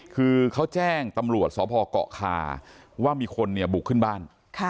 คือเขาแจ้งตำรวจสพเกาะคาว่ามีคนเนี่ยบุกขึ้นบ้าน